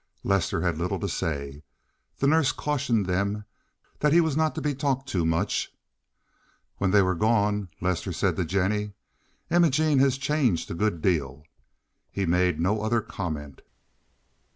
Lester had little to say. The nurse cautioned them that he was not to be talked to much. When they were gone Lester said to Jennie, "Imogene has changed a good deal." He made no other comment.